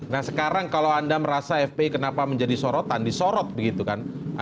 nah sekarang kalau anda merasa fpi kenapa menjadi sorotan disorot begitu kan